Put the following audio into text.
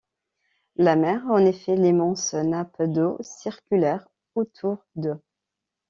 La mer, en effet, l’immense nappe d’eau circulaire autour d’eux!